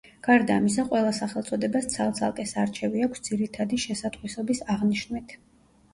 გარდა ამისა, ყველა სახელწოდებას ცალ-ცალკე სარჩევი აქვს ძირითადი შესატყვისობის აღნიშვნით.